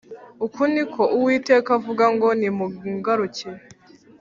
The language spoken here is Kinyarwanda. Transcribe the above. uku ni ko uwiteka avuga ngo nimungarukire